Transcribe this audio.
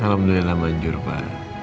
alhamdulillah manjur pak